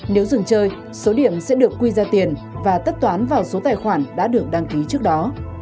nếu dừng chơi số điểm sẽ được quy ra tiền và tất toán vào số tài khoản đã được đăng ký trước đó